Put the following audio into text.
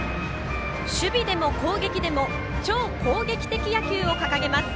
守備でも攻撃でも超攻撃的野球を掲げます。